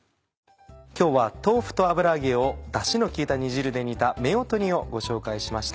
今日は豆腐と油揚げをだしの利いた煮汁で煮た「夫婦煮」をご紹介しました。